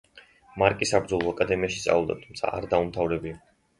მარკი საბრძოლო აკადემიაში სწავლობდა, თუმცა არ დაუმთავრებია.